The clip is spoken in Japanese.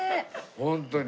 本当に。